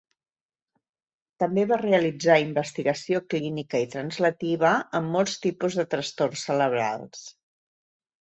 També va realitzar investigació clínica i translativa en molts tipus de trastorns cerebrals.